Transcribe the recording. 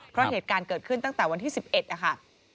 เพราะเหตุการณ์เกิดขึ้นตั้งแต่วันที่สิบเอ็ดอ่ะค่ะ